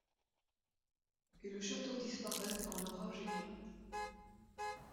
Et le château disparaît quand l’orage éclate.